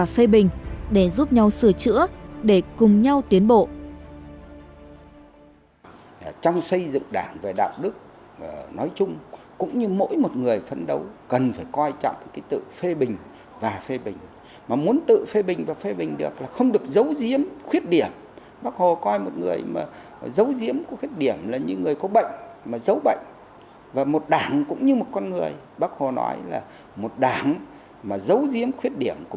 phê bình và phê bình để giúp nhau sửa chữa để cùng nhau tiến bộ